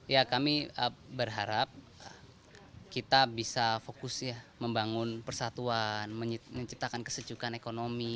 ya kami berharap kita bisa fokus ya membangun persatuan menciptakan kesejukan ekonomi